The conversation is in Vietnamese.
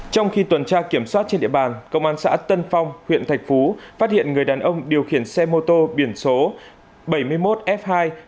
trong khi tuần tra kiểm soát trên địa bàn công an xã tân phong huyện thạch phú phát hiện người đàn ông điều khiển xe mô tô biển số bảy mươi một f hai mươi bảy nghìn bảy trăm năm mươi